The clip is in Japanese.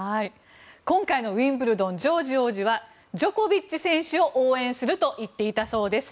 今回のウィンブルドンジョージ王子はジョコビッチ選手を応援すると言っていたそうです。